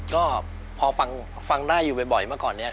ก็พอฟังได้อยู่ไปบอก